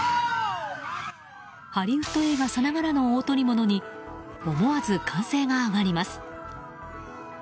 ハリウッド映画さながらの大捕物に思わず歓声が上がります。